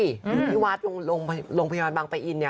อยู่พี่วัดไปหลองพยาบาลบางไปอิน